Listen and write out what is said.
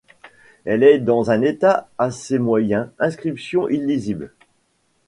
Elle est dans un état assez moyen: inscriptions illisibles.